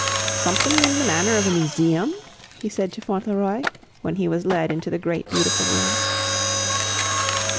"Somethin' in the manner of a museum?" he said to Fauntleroy, when he was led into the great, beautiful room.